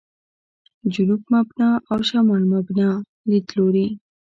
«جنوب مبنا» او «شمال مبنا» لیدلوري.